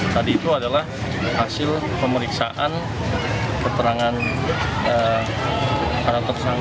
tadi itu adalah hasil pemeriksaan keterangan para tersangka